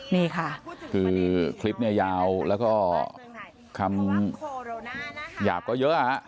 นี่ค่ะคือคลิปเนี่ยยาวแล้วก็คำหยาบก็เยอะฮะ